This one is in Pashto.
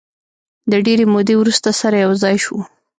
د ډېرې مودې وروسته سره یو ځای شوو.